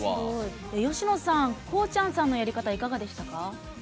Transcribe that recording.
吉野さんこうちゃんさんのやり方どうでしたか？